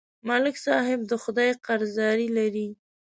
ملک صاحب د خدای قرضداري لري